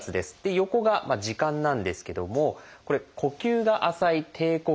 横が「時間」なんですけどもこれ呼吸が浅い「低呼吸」。